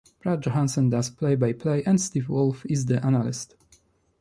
Brad Johansen does play-by-play and Steve Wolf is the analyst.